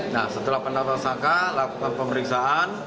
nah setelah penetapan tersangka lakukan pemeriksaan